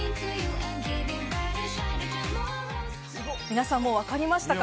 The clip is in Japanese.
皆さん、もうわかりましたか？